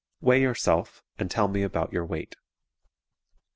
Weigh yourself and tell me about your weight.